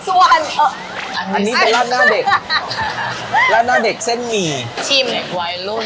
ส่วนอันนี้เป็นราดหน้าเด็กราดหน้าเด็กเส้นหมี่ชิมเด็กวัยรุ่น